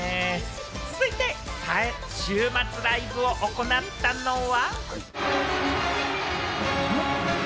続いて、週末ライブを行ったのは。